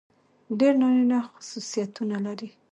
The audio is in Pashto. ډېر نارينه خصوصيتونه لري.